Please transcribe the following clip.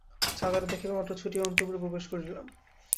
ছাতাটি দেখিবামাত্র ছুটিয়া অন্তঃপুরে প্রবেশ করিলাম।